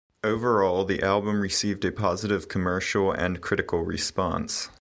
Overall, the album received a positive commercial and critical response.